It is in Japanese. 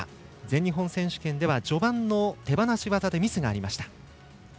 全日本選手権では序盤で手放し技でミスがありました。